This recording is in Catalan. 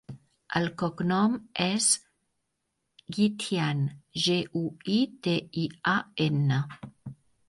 El cognom és Guitian: ge, u, i, te, i, a, ena.